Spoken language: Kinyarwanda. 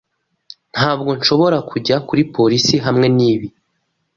Ntabwo nshobora kujya kuri polisi hamwe nibi.